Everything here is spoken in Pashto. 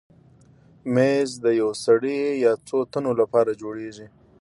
مېز د یو سړي یا څو تنو لپاره جوړېږي.